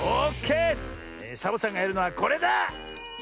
サボさんがやるのはこれだ！